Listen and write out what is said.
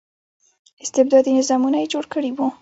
استبدادي نظامونه یې جوړ کړي وو.